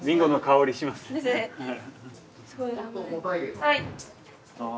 はい。